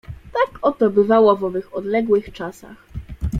"Tak oto bywało w owych odległych czasach."